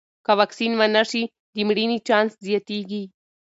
که واکسین ونه شي، د مړینې چانس زیاتېږي.